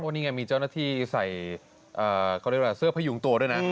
นี่ไงมีเจ้าหน้าที่ใส่เขาเรียกว่าเสื้อพยุงตัวด้วยนะ